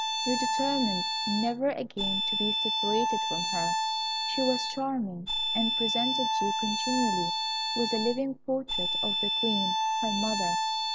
You determined never again to be separated from her; she was charming, and presented you continually with a living portrait of the Queen, her mother.